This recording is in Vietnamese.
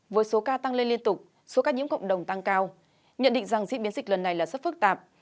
với số ca tăng lên liên tục số ca nhiễm cộng đồng tăng cao nhận định rằng diễn biến dịch lần này là rất phức tạp